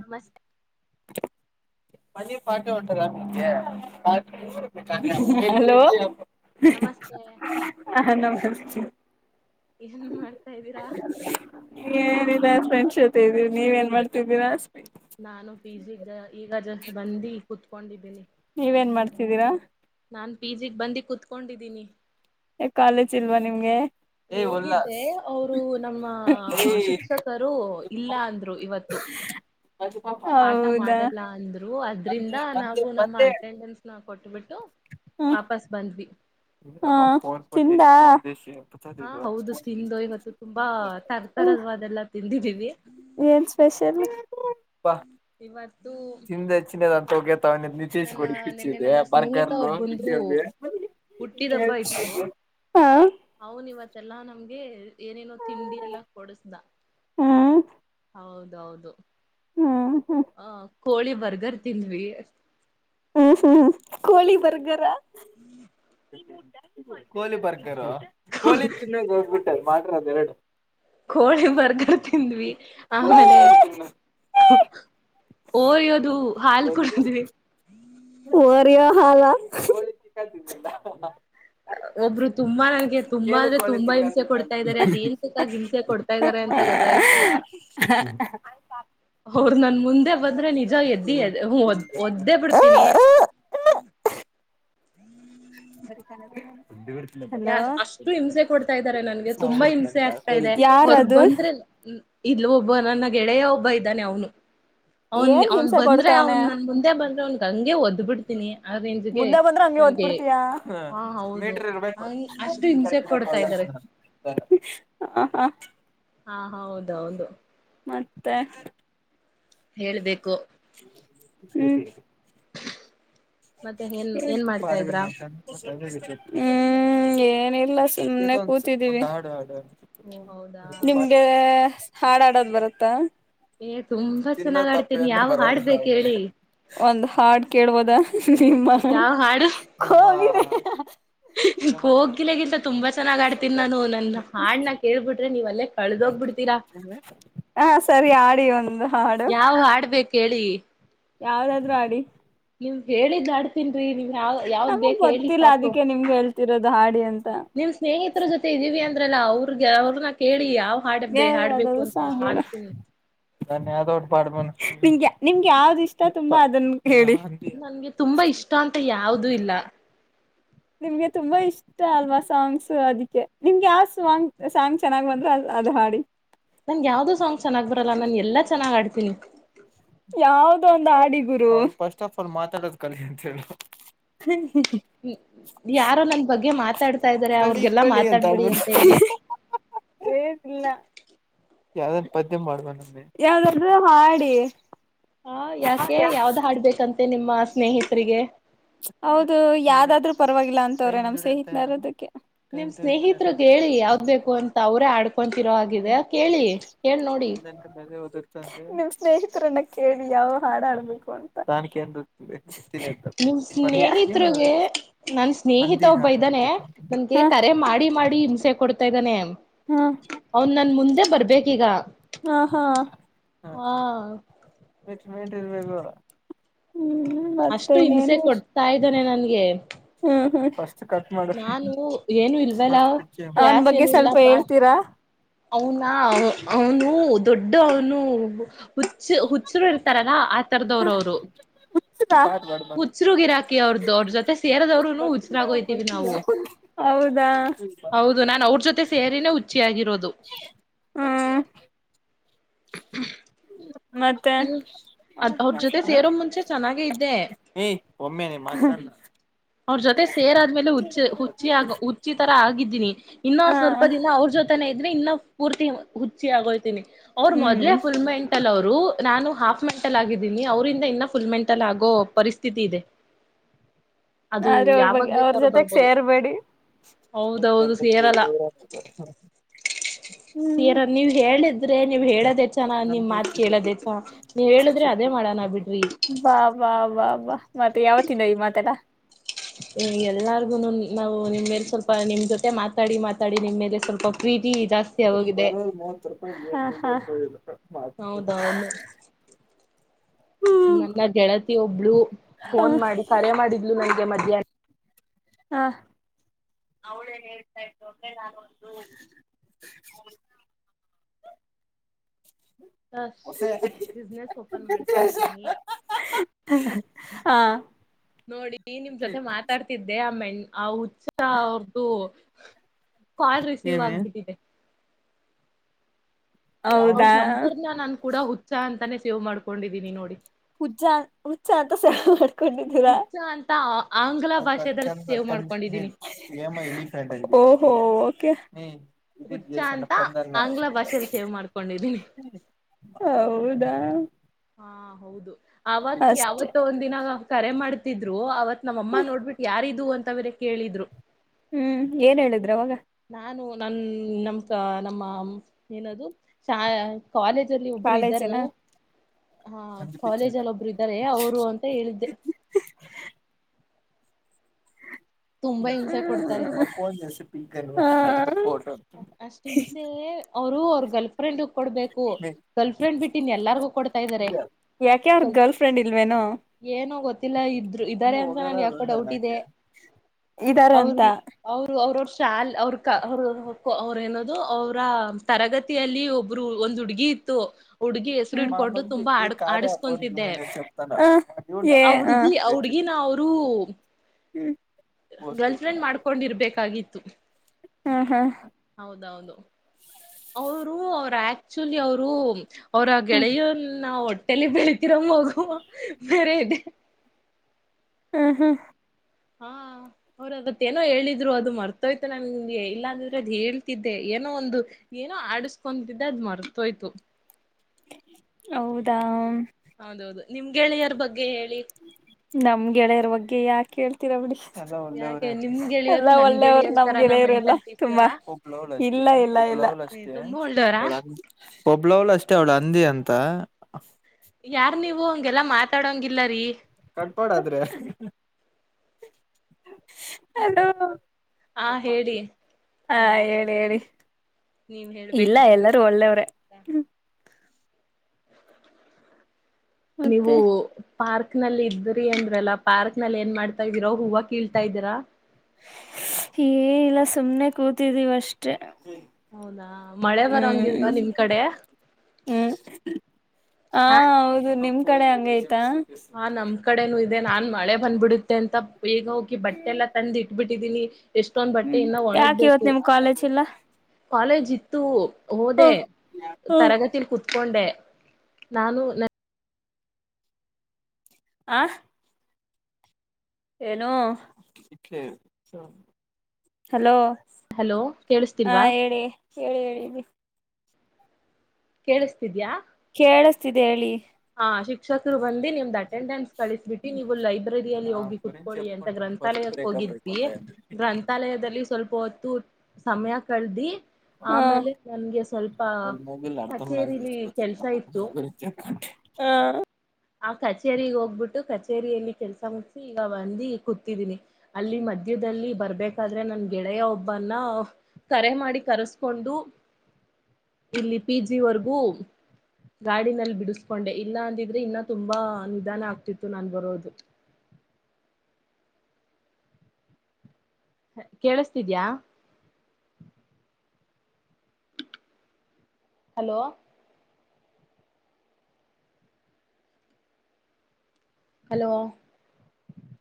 ನಮಸ್ತೆ ಬನ್ನಿ ಪಟಿ ಟರ ಹಲೋ ಹ ನಮಸ್ತೆ ಏನ್ ಮಾಡ್ತಾ ಇದ್ದೀರಾ ನೀ ಏನಿಲ್ಲ ಫ್ರೆಂಡ್ಸ್ ಜೊತೆ ಇದ್ದೀರಿ ನೀವು ಏನ್ ಮಾಡ್ತಿದ್ದೀರ ಅಷ್ಟ ನಾನು ಪಿಗಿಗೆ ಈಗ ಜಸ್ಟ್ ಬಂದಿ ಕುೂತ್ಕೊಂಡಿದ್ದೀನಿ ನೀವೇನ್ ಮಾಡ್ತಿದ್ದೀರಾ ನಾನ್ ಪಿ ಜಿಗ್ ಬಂದು ಕುೂತ್ಕೊಂಡಿದ್ದೀನಿ ಕಾಲೇಜ್ ಇಲ್ವಾ ನಿಮ್ಗೆ ಹೋಗಿದ್ದೆ ಅವರು ನಮ್ಮ ಶಿಕ್ಷಕರು ಇಲ್ಲ ಅಂದ್ರು ಇವತ್ತು ಪಾಠ ಹೌದಾ ಮಾಡಲ್ಲ ಅಂದ್ರು ಅದ್ರಿಂದ ನಾವು ನಮ್ಮ ಅಟೆಂಡೆನ್ಸ್ ನ ಕೊಟ್ಬಿಟ್ಟು ಹ ವಾಪಸ್ ಬಂದ್ವಿ ಹಾ ಚಿಂದಾ ಹಾ ದು ಹೌದು ತಿಂದು ಇವತ್ತು ತುಂಬಾ ತರ್ತರವಾದೆಲ್ಲ ತಿಂದಿದೀವಿ ಏನ್ ಸ್ಪಷಲಿ ಇವತ್ತು ತಿಿಂದ ಹೆಚ್ಚಿಿನದಂತ ನಿತೇಶ ನನ್ನ ಕೊಡಿ ನಿನ್ನೆ ಕಿಚ್ಚಿದೆ ನನ್ನ ಬರ್ಗರ್ ಇ ಹುಟ್ಟಿದ ಹಬ್ಬ ಇತತ್ತು ಅವನವತ್ತ ಇಷ್ಟೆಲ್ಲಾ ನಂಬಿ ಏನೇನೋ ತಿಂಡಿ ಎಲ್ಲಾ ಕೊಡಸ್ದ ಹ್ಮ್ ಹೌದೌದು ಹ್ಮ್ ಹ್ಮ್ ಹ ಕೋಳಿ ಬರ್ಗರ್ ತಿನ್್ವಿ ಹೂ ಹೂ ಕೋಳಿ ಬರ್ಗರ ಹೂ ಕೋಳಿ ಬರ್ಗರು ಕೋಳಿ ತಿನ್ನಾಗ ಹೋಗ್ಬಿಟ್ಟಲ್ ಮಾಡ್ರ ಅದು ಎರಡು ಕೋಳಿ ಬರ್ಗ ತಿಂದ್ವಿ ಆಮೇಲೆ ಓರಿಯೋದು ಹಾಲ್ ಕೊಡ್ಿದ್ವಿ ಹೊರೀಯೋ ಹಾಲ ಹ ಒಬ್ಬರು ತುಂಬಾ ನನ್ಗೆ ತುಂಬಾ ಅಂದ್ರೆ ತುಂಬಾ ಹಿಂಸೆ ಕೊಡ್ತ ಇದ್ದಾರೆ ಅದ ಏನ್ ತಕ್ಕಾಗಿ ಹಿಂಸೆ ಕೊಡ್ತಾ ಇದ್ದಾರೆ ಅಂತ ಗೊತ್ತಾ ಆಯ್ತ ಅವ್ರ ನನ್ ಮುಂದೆ ಬಂದ್ರೆ ನಿಜ ಎದ್ದಿದದ ಒದ್ದೇ ಬಿಡ್ತ ತಿನ ಹೋಡ್ಬಿಡ್ ಯಾ ಅಷ್ಟು ಹಿಂಸೆ ಕೊಡ್ತಾ ಇದಾರೆ ನನ್ಗೆ ತುಂಬಾ ಹಿಂಸೆ ಆಗ್ತಾ ಇದೆ ಅವ್ರ ಯಾರದು ಬಂದ್ರೆ ಇಲ್ ಒಬ್ಬ ನನ್ನ ಗೆಳೆಯ ಒಬ್ಬ ಇದ್ದಾನೆ ಅವನು ಅವನ್ಿಗೆ ಏನ್ ಅವ್ನ್ ಹಿಂಸೆ ಬಂದ್ರೆ ಕೊಡ್ತವ್ನೆ ಅವನ್ ನನ್ ಮುಂದೆ ಬಂದ್ರೆ ಅವನ್ಗ ಹಂಗೆ ಒದ್ಬಿಡ್ತೀನಿ ಆ ರೇಂಜ್ಗೆ ನನ್ಗೆ ದ್ಬಿಡ್ತಯ ಆ ಹಾ ಹೌದು ಮೀಟರ್ ಇರ್ಬೇಕು ಅಷ್ಟು ಹಿಂಸೆ ಕೊಡ್ತಾ ಇದ್ದಾರೆ ಹ ಹಾ ಹಾ ಹೌದೌದು ಮತ್ತೆ ಹೇಳ್ಬೇಕು ಹೂ ಮತ್ತೆ ಏನ್ ಏನ್ ಪ್ಪ ಆ ಮಾಡ್ತಾ ಇದ್ರಾ ಮತ್ತು ಹೂ ಹೂ ಏನಿಲ್ಲ ಸುಮ್ನೆ ಕೂತಿದ್ದೀವಿ ಓ ಹೌದಾ ನಿಮ್ಗೆ ಹಾಡಾಡದು ಬರುತ್ತಾ ಏ ತುಂಬಾ ನ್ನ ಚೆನ್ನಾಗ್ ಆಡ್ತೀನಿ ತಪ್ಪನ್ನು ಯಾವ ಬರಲ್ಲ ಹಾಡ್ಬೇಕ ಹೇಳಿ ಒಂದ್ ಹಾಡ್ ಕೇಳ್ಬೋದ ನಿಮ್ಮ ಯಾವ ಹಾಡು ಕೋಗಿಲೆ ಕೋಗಿಲೆಗಿಂತ ತುಂಬಾ ಚೆನ್ನಾಗ್ ಆಡ್ತೀನಿ ನಾನು ನನ್ನ ಹಾಡ್ನ ಕೇಳ್ಬಿಟ್ರೆ ನೀವ್ ಅಲ್ಲೇ ಕಳದೋಗ್ಬಿಡ್ತೀರಾ ಹ ಸರಿ ಆಡಿ ಒಂದು ಹಾಡು ಯಾವ ಹಾಡ್ಬೇಕ ಹೇಳಿ ಯಾವ್ದಾದ್ರು ಹಾಡಿ ನೀವು ಹೇಳಿದ್ ಆಡ್ತೀನ್ೀ ನೀಮ್ ಯಾವ ಯಾವ್ದ್ ನಮಗ್ ಬೇಕ ಹೇಳಿ ಗೊತ್ತಿಲ್ಲ ಸಾಕು ಅದಕ್ಕೆ ನಿಮ್ಗೆ ಹೇಳ್ತಿರೋದು ಹಾಡಿ ಅಂತ ನಿಮ್ ಸ್ನೇಹಿತರ ಜೊತೆ ಇದೀವಿ ಅಂತ ಅಂದ್ರಲ್ಲ ಅವ್ರಗೆ ಅವ್ರನ್ನ ಕೇಳಿ ಯಾವ್ ಹಾಡ ಏ ಹಾಡ್ಬೇಕು ಅಂತ ಹಾಡ್ತೀನಿ ನ್ಯ ನಿಗೆ ನಿಮ್ಗೆ ಯಾವ್ದ್ ಇಷ್ಟ ತುಂಬಾ ಅದನ್ನ ನನ್ಗೆ ತುಂಬಾ ಇಷ್ಟ ಅಂತ ಯಾವ್ದೂ ಇಲ್ಲ ನಿಮ್ಗೆ ತುಂಬಾ ಇಷ್ಟ ಅಲ್ವಾ ಸಾಂಗ್ಸ್ ಅದಕ್ಕೆ ನಿಮ್ಗೆ ಆ ಸಾಂಗ್ ಸಾಂಗ್ ಚೆನ್ನಾಗ್ ಬಂದ್ರ ಅದು ಹಾಡಿ ನನ್ ಯಾವ್ದೋ ಸಾಂಗ್ ಚೆನ್ನಾಗ್ ಬರಲ್ಲ ನಾನ್ ಎಲ್ಲಾ ಚೆನ್ನಾಗ್ ಹಾಡ್ತೀನಿ ಯಾವ್ದ ಒಂದು ಆಡಿ ಗುರು ಫಸ್ಟ್ ಆಫ್ ಆಲ್ ಮಾತಾಡದು ಕಲಿ ಅಂತ ಹೇಳ. ಹೂ ಯಾರೋ ನನ್ ಬಗ್ಗೆ ಮಾತಾಡ್ತಾ ಇದಾರೆ ಅವ್ರಗೆಲ್ಲಾ ಮಾತಾಡ್ಬೇಡಿ ಅಂತ ಹೇಳಿ ಏನ್ ಇಲ್ಲ ಯಾವ್ದ್ರ ಪದ್ಯ ಮಾಡ್ಬಮ ಯಾವಾದ ಹಾಡಿ ಹಾ ಯಾಕೆ ಯಾವ್ದ್ ಹಾಡ್ಬೇಕಂತೆ ನಿಮ್ಮ ಸ್ನೇಹಿತರಿಗೆ ಹೌದು ಯಾವ್ದಾದ್ರರು ಪರವಾಗಿಲ್ಲ ಅಂತವ್ರೆ ನಮ್ ಸ್ೇಹಿತರೋದಕ್ಕೆ ನಿಮ್ ಸ್ನೇಹಿತ್ರಗ್ ಹೇಳಿ ಯಾವ್ದ್ ಬೇಕು ಅಂತ ಅವ್ರೇ ಹಾಡ್ಕೊಳ್ತಾರೆ ನೋಡಿ ಎಲ್ಲ ಬೆದೆ ಉದುರ್ತಂತೆ ಸ್ನೇಹಿತರನ್ನ ಕೇಳಿ ಯಾವ ಹಾಡಾಡ್ಬೇಕು ಅಂತ [unintelligible] ನಿಮ್ ಸ್ನೇಹತ್ರಿಗೆ ನನ್ ಸ್ನೇಹಿತ ಒಬ್ಬ ಇದ್ದಾನೆ ನನ್ಗೆ ಹ ಕರೆ ಮಾಡಿ ಮಾಡಿ ಹಿಂಸೆ ಕೊಡ್ತಾ ಇದ್ದಾನೆ. ಹ್ಮ್ ಅವನ್ ನನ್ ಮುಂದೆ ಬರ್ಬೇಕೀಗ. ಹಾ ಹಾ ಹಾ [unintelligible] ಅಷ್ಟು ಹಿಂಸೆ ಮತ್ತೇನೇನು ಕೊಡ್ತಾ ಇದ್ದನೆೆ ನನ್ಗೆ ಹ್ಮ್ ಹ್ಮ್ ಕಟ್ ಮಾಡು ನಾನು [unintelligible] ಏನು ಇಲ್ವಲ್ಲ ಅವ್ನ್ ಬಗ್ಗೆ ಸ್ವಲ್ಪ ಹೇಳ್ತೀರಾ ಅವನಾ ಅವನು ದೊಡ್ಡ ಅವನು. ಹುಚ್ಚ ಹುಚ್ಚರು ಇರ್ತಾರಲ್ಲ ಆತರದವರು ಅವರು ಹುಚ್ಚರುಗಿರಾಕ್ ಅವ್ರದ ಅವ್ರ ಜೊತೆ ಸೇರದವರುನು ಹುಚ್ರಗೊ ಹೌದಾ ಅವ್ರ್ ಜೊತೆ ಸೇರಿನೇ ಹುಚ್ಚಿ ಆಗಿರೋದು. ಹ್ಮ್ [inaudible] ಮತ್ತೆ ಇಲ್ ಅದ್ ಅವ್ರ ಜೊತೆ ಸೇರೋ ಮುಂಚೆ ಚೆನ್ನಾಗೆ ಇದ್ದೆ ಏಯ ಒಮ್ಮೆನೆ [unintelligible] ಅವ್ರ ಜೊತೆ ಸೇರಾದ್ಮೇಲೆ ಹುಚ್ಚ ಹುಚ್ಚಿ ಆ ಹುಚ್ಚಿ ತರ ಆಗಿದ್ದೀನಿ ಇನ್ನೊಂದ ಸ್ವಲ್ಪ ದಿನ ಅವ್ರ ಜೊ [unintelligible] ಇದ್ರೆ ಇನ್ನ ಪೂರ್ತಿ ಹುಚ್ಚಿ ಆಗೋತೀನಿ ಅವರು ಮೊದ್ಲೆ ಹ್ಮ್ ಫುಲ್ಮೆಂಟ್ ಅವ್ರು ನಾನು ಹಾಫ್ ಮೆಂಟಲ್ ಆಗಿದ್ದೀನಿ ಅವರಿಂದ ಇನ್ನ ಫುಲ್ ಮೆಂಟಲ್ ಆಗೋ ಪರಿಸ್ಥಿತಿ ಇದೆ. [unintelligible] ಆದೆ ಅವ್ರ ಯಾವಾಗ ಬಗ್ಗೆ ಅವ್ರ ಬೇಕಾದ್ರು ಜೊತೆಗ್ ಬರ್ಬೋದು ಸೇರ್ಬೇಡಿ. ಹೌದೌದು ಸೇರಲ್ಲ [unintelligible] ಹ್ಮ್ ಸೀರ ನೀವ್ ಹೇಳಿದ್ರೆ ನೀವ್ ಹೇಳೋದೆೇ ಹೆಚ್ಚಾ ನಿಮ್ ಮಾತು ಕೇಳೋದೇ ಹೆ ನೀವ ಹೇಳುದ್ರೆ ಅದೇ ಮಾಡೋಣ ಬಿಡ್ರಿ. ವ್ಹಾ ವ್ಹಾ ಮತ್ ಯಾವತ್ತಿಂದ ಈ ಮಾತೆಲ್ಲ. ಎಲ್ಲಾರ್ಗುನು ನಾವು ನಿಮ ಮೇಲೆ ಸ್ವಲ್ಪ ನಿಮ್ ಜೊತೆ ಮಾತಾಡಿ ಮಾತಾಡಿ ನಿಮ್ಮೆಲೆ ಸ್ವಲ್ಪ ಪ್ರಿ ಬರೋದು ಮೂವತ್ ರೂಪಾಯಿ [unintelligible] ಹೌದೌದು [unintelligible] ನನ್ನ ಗೆಳತಿ ಒಬ್ಳು ಫೋನ್ ಮಾಡಿ ಕರೆ ಮಾಡಿದ್ಲು ನನ್ಗೆ ಮಧ್ಯಾಹ್ನ. ಹಾ ಅವಳೇ ಹೇಳ್ತಾ ಇದ್ಲು ಆಗದು [unintelligible] [unintelligible] ಬಿಸ್ನೆಸ್ ಓಪನ್ ಮಾಡ್ತಾದೀನಿ. ಹಾ ನೋಡಿ ನಿಮ್ ಜೊತೆ ಮಾತಾಡ್ತಿದ್ದೆ ಆ ಮೆಣ ಆ ಹುಚ್ಚ ಅವ್ರ್ದು ಕಾಲ್ ರಿಸೀವ್ ಆಗ್ಬಿಟ್ಟಿದೆ. ಅವ್ರ ಹೌದಾ ನಂಬರ್ ನಾ ನನ್ ಕೂಡ ಹುಚ್ಚಾ ಅಂತಾನೇ ಸೇವ್ ಮಾಡ್ಕೊಂಡಿದ್ದೀನಿ ನೋಡಿ. ಹುಚ್ಚ ಹುಚ್ಚ ಅಂತ ಸೇವ ಮಾಡ್ಕೊಂಡಿದ್ದೀರಾ. ಹುಚ್ಚ ಅಂತ ಆಂಗ್ಲ ಭಾಷೆದಲ್ಲಿ ಸೇವ್ ಮಾಡ್ಕೊಂಡಿದ್ದೀನಿ [unintelligible] ಓ ಹೋ ಓಕೆ [unintelligible] ಹುಚ್ಚ ಅಂತ ಆಂಗ್ಲ ಭಾಷೆಲ್ ಸೇವ್ ಮಾಡ್ಕೊಂಡಿದ್ದೀನಿ ಹೌದಾ ಹಾ ಹೌದು ಅವತ್ ಅಷ್ಟೆ ಯಾವತ್ ಒಂದಿನ ಕರೆ ಮಾಡ್ತಿದ್ರು ಅವತ್ ನಮ್ಮ ಅಮ್ಮ ನೋಡ್ಬಿಟ್ಟು ಯಾರಿದು ಅಂತ ಅವ್ರ ಕೇಳಿದ್ರು. ಹ್ಮ್ ಏನ್ ಹೇಳಿದ್ರು ಅವಾಗ ನಾನು ನನ್ ನಮ ಕ ನಮ್ಮ ಏನದು [unintelligible] ಕಾಲೇಜಲ್ಲಿ ಒಬ್ರು ಇದ್ದಾರೆ. ಕಾಲೇಜಿನ ಹಾ ಕಾಲೇಜಲ್ಲಿ ಒಬ್ರು ಇದ್ದಾರೆ ಅವರು ಅಂತ ಹೇಳಿದ್ದೆ. ತುಂಬಾ ಹಿಂಸೆ ಕೊಡ್ತಾರೆ [unintelligible] [unintelligible] ಅಷ್ಟ್ ಹಿಮ್ಸೆ ಅವ್ರು ಅವ್ರ ಗರ್ಲ್ ಫ್ರೆಂಡ್ ಕೊಡ್ಬೇಕು ಗರ್ಲ್ ಫ್ರೆಂಡ್ ಬಿಟ್ಟಿ ಇನ್ ಎಲ್ಲಾರ್ಗು. ಕೊಡ್ತಾ ಇದ್ದಾರೆ. ಯಾಕೆ ಯಾರ್ ಗರ್ಲ್ಫ್ರೆಂಡ್ ಇಲ್ವೇ ಏನು ಗೊತ್ತಿಲ್ಲ ಇ ಇದಾರೆ ಅಂತ ನ ಯಾಕೋ ಡೌಟ್ ಇದೆ ಇದಾರ ಅಂತ ಅವ್ರು ಅವ್ರು ಶಾಲ್ ಅವರು ಅವರು ಅವ್ರ ಏನದು ಅವ್ರ ತರಗತಿಯಲ್ಲಿ ಒಬ್ರು ಒಂದು ಹುಡ್ಗಿ ಇತ್ತು ಹುಡ್ಗಿ ಹೆಸರು ಇಡ್ಕೊಂಡು ಹ್ಮ್ ತುಂಬಾ ಆಡ್ ಆಡಿಸ್ಕೊಂತಿದ್ದೆ ಏ ಆ ಹ ಹುಡ್ಗಿ ಆ ಹುಡ್ಗಿ ನ ಅವರು ಗರ್ಲ್ ಫ್ರೆಂಡ್ ಮಾಡ್ಕೊಂಡಿರ್ಬೇಕಾಗಿತ್ತು. ಹಾ ಹಾ ಹೌದೌದು ಅವರು ಅವರ ಆಕ್ಚುಲಿ ಅವರು ಅವರ ಹ್ಮ್ ಗೆಳೆಯನ್ನ ತಲಿ ಬೆಳತಿರೋ ಮಗು ಹೋಗುವ ಬರೆ ಇದೆ ಹ್ಮ್ ಹ್ಮ ಹಾ ಅವ್ರವತ್ತೇಏನೋ ಹೇಳಿದ್ರು ಅದು ಮರ್ತೋಯ್ತು ನನ್ಗೆ ಇಲ್ಲಾಂದ್ರೆ ಅದ ಹೇಳ್ತಿದ್ದೆ ಏನೋ ಒಂದು ಏನೋ ಆಡಸ್ಕೊತಿದ್ದೆ ಅದ್ ಮರ್ತೋಯ್ತು ಹೌದಾ ಹೌದೌದು ನಿಮ್ ಗೆಳೆಯರ ಬಗ್ಗೆ ಹೇಳಿ ನಮ್ ಗೆಳೆಯರ್ ಬಗ್ಗೆ ಯಾಕ ಕೇಳ್ತೀರಾ ಬಿಡಿ ಯಾಕೆ ನಿಮ್ ಎಲ್ಲ ಗೆಳೆಯರು ನನ್ ಒಳ್ಳೆಯವರು ಗೆಳೆಯರ್ ತರಾನ ನಮ್ಗೆಳೆಯರು ಎಲ್ಲಾ ಮೆಂಟಲ್ ಪೀಸ್ಗಳ ತುಂಬಾ ಇಲ್ಲಾ ಇಲ್ಲಾ ಅಷ್ಟೇ ತುಂಬಾ ಒಳ್ಳೆಯವರಾ ಅವಳ ಒಬ್ಳವ್ಳ ಅಷ್ಟೇ ಅವ್ಳ ಹಂದಿ ಅಂತ ಯಾರ್ ನೀವು ಹಗೆಲ್ಲಾ ಮಾತಾಡಂಗಿಲ್ಲರಿ ಕಟ್ಪಾಡಾದ್ರೆ ಹಲೋ ಹಾ ಹೇಳಿ ಹಾ ಹೇಳಿ ಹೇಳಿ ನೀವ್ ಇಲ್ಲ ಹೇಳ್ಬೇಕಿತ್ತು ಎಲ್ಲರೂ ಒಳ್ಳೆಯವ್ರೆ. ನೀವು ಮತ್ತೆ ಪಾರ್ಕ್ ನಲ್ಲಿ ಇದ್ರಿ ಅಂದ್ರಲ್ಲ ಪಾರ್ಕ್ ನಲ್ಲಿ ಏನ್ ಮಾಡ್ತಾ ಇದ್ದೀರಾ ಹೂವು ಕೀಳ್ತಾ ಇದೀರಾ ಏನ ಇಲ್ಲಾ ಸುಮ್ನೆ ಕೂತಿದ್ದೀವಿ ಅಷ್ಟೆ ಹೌದಾ ಮಳೆ ಬರಂಗಿಲ್ವಾ ಹ್ಮ್ ನಿಮ್ ಕಡೆ ಹ್ಮ್ ಹಾ ಹೌದು ನಿಮ್ ಕಡೆ ಹಂಗೈ ಹಾ ನಮ್ ಕಡೆನೂ ಇದೆ ನಾನ್ ಮಳೆ ಬಂದ್ಬಿಡುತ್ತೆ ಅಂತ ಬೇಗ ಹೋಗಿ ಬಟ್ಟೆ ಎಲ್ಲ ತಂದು ಇಟ್ಬಿಟ್ಟಿದ್ದೀನಿ ಎಷ್ಟೊಂದ ಬಟ್ಟೆ ಹ್ಮ್ ಇನ್ನ ಯಾಕ ಇವತ್ ಒಣಗ್ಬೇಕು ನಿಮ್ ಕಾಲೇಜ್ ಇಲ್ಲ ಕಾಲೇಜ್ ಇತ್ತು, ಹೋದೆ ತರಗತಿಲಿ ಕುತ್ಕೊಂಡೆ ನಾನು ಆ ಏನೋ ಹಲೋ ಹಲೋ ಹಾ ಕೇಳಿಸ್ತಿಲ್ವಾ ಹೇಳಿ, ಹೇಳಿ, ಹೇಳಿ ಕೇಳಸತಿದ್ಯಾ ಕೇಳಸ್ತಿದೆ ಹೇಳಿ ಹ ಶಿಕ್ಷಕರು ಬಂದು ನಿಮ್ ದಾಟ್ಟ ಅಟೆಂಡೆನ್ಸ್ ಕಳಿಸ್ಬಿಟ್ಟಿ ನೀವು ಲೈಬ್ರರಿಯಲ್ಲಿ ಹೋಗಿ ಕುತ್ಕೊಳ್ಳಿ ಅಂತ ಗ್ರಂಥಾಲಯಕ್ಕೆ ಹೋಗಿದ್ವಿ ಗ್ರಂಥಾಲಯದಲ್ಲಿ ಸ್ವಲ್ಪ ಹೊತ್ತು ಸಮಯ ಕಳ್ದಿ ಹ ಆಮೇಲೆ ನನ್ಗೆ ಸ್ವಲ್ಪ ಕಚೇರಿಲಿ ಕೆಲ್ಸ ಇತ್ತು ಹಾ ಆ ಕಚೇರಿಗ್ ಹೋಗ್ಬಿಟ್ಟು ಕಚೇರಿಯಲ್ಲಿ ಕೆಲ್ಸ ಮುಗಿಸಿ ಈಗ ಬಂದಿ ಕೂತಿದ್ದೀನಿ ಅಲ್ಲಿ ಮಧ್ಯ ದಲ್ಲಿ ಬರ್ಬೇಕಾದ್ರೆ ನನ್ ಗೆಳೆಯ ಒಬ್ಬನ್ನ ಕರೆ ಮಾಡಿ ಕರೆಸ್ಕೊಂಡು ಇಲ್ಲಿ ಪಿ ಜಿ ವರ್ಗೂ ಗಾಡಿನಲ್ಲಿ ಬಿಡಿಸಕೊಂಡೆ ಇಲ್ಲ ಅಂದಿದ್ರೆ ಇನ್ನ ತುಂಬಾ ನಿಧಾನ ಆಗ್ತಿತ್ತು ನಾನ ಬರೋದು ಕೇಳಸ್ತಿದ್ಯಾ ಹಲೋ ಹಲೋ